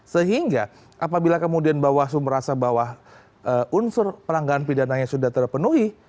sehingga apabila kemudian bapak suluh merasa bahwa unsur peranggaan pidananya sudah terpenuhi